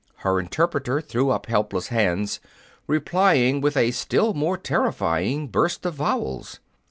Her interpreter threw up helpless hands, replying with a still more terrifying burst of vowels.